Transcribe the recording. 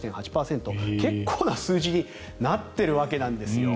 結構な数字になってるわけなんですよ。